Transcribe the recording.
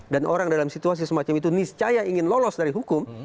dan orang dalam situasi semacam itu niscaya ingin lolos dari hukum